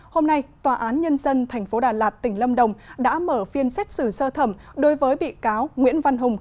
hôm nay tòa án nhân dân tp đà lạt tỉnh lâm đồng đã mở phiên xét xử sơ thẩm đối với bị cáo nguyễn văn hùng